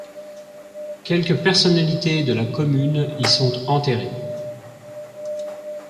Quelques personnalités de la commune y sont enterrées.